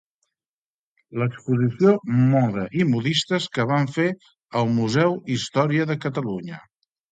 L'exposició Moda i Modistes que vam fer al Museu Història de Catalunya